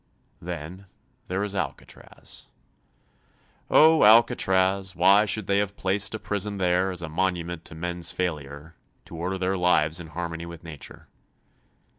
Then there is Alcatraz. Oh, Alcatraz, why should they have placed a prison there as a monument to men's failure to order their lives in harmony with nature.